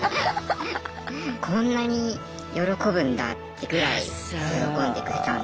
こんなに喜ぶんだってぐらい喜んでくれたんで。